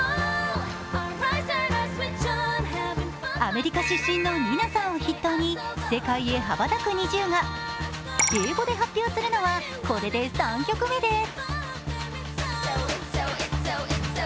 アメリカ出身のニナさんを筆頭に世界へ羽ばたくＮｉｚｉＵが英語で発表するのは、これで３曲目です。